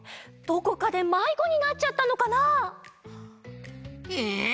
どこかでまいごになっちゃったのかな？え！？